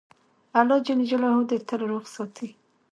الله ج دي تل روغ ساتی